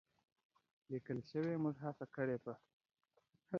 لیکل شوې، موږ هڅه کړې په